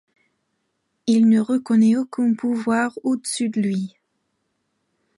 Il ne reconnaît aucun pouvoir au-dessus de lui.